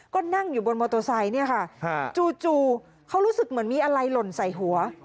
ก็นั่งอยู่บนมอเตอร์ไซค์เนี่ยค่ะจู่เขารู้สึกเหมือนมีอะไรหล่นใส่หัว